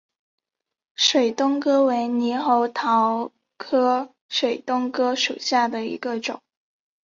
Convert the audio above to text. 水东哥为猕猴桃科水东哥属下的一个种。